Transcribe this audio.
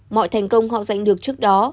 mọi thành công họ giành được trước đó